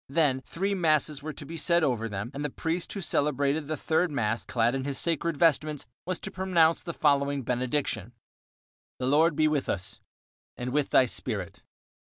Then three masses were to be said over them, and the priest who celebrated the third mass, clad in his sacred vestments, was to pronounce the following benediction: The Lord be with us. And with thy spirit.